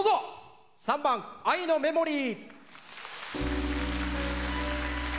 ３番「愛のメモリー」。